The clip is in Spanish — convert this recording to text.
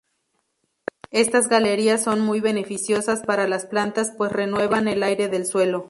Estas galerías son muy beneficiosas para las plantas, pues renuevan el aire del suelo.